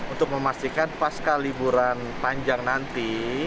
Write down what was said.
untuk memastikan pasca liburan panjang nanti